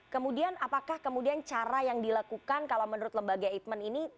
kemudian apakah kemudian cara yang dilakukan kalau menurut lembaga eijkman ini